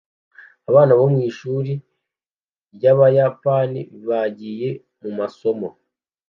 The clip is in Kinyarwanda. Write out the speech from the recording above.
Abana bo mwishuri ryabayapani bagiye mumasomo